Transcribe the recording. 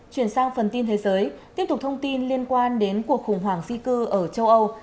chuyển sang phần tin thế giới tiếp tục thông tin liên quan đến cuộc khủng hoảng di cư ở châu âu